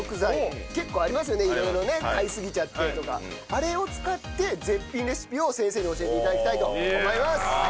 あれを使って絶品レシピを先生に教えて頂きたいと思います。